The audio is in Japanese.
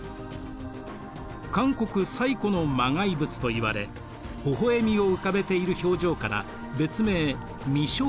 韓国最古の磨崖仏といわれほほ笑みを浮かべている表情から別名微笑